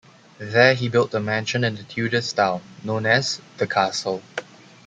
There he built a mansion in the Tudor style, known as the Castle.